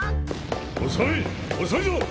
遅い遅いぞ！